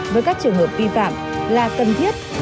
với các trường hợp vi phạm là cần thiết